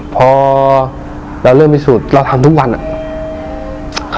พอเราเริ่มพิสูจน์เราทำทุกวันอะ